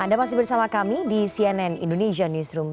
anda masih bersama kami di cnn indonesia newsroom